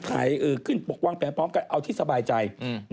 ขึ้นปกวางแผนพร้อมกันเอาที่สบายใจ